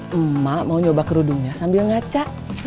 tuh ma mau nyoba kerudungnya sambil ngaca